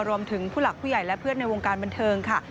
ผู้หลักผู้ใหญ่และเพื่อนในวงการบันเทิงค่ะ